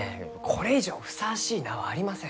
これ以上ふさわしい名はありません。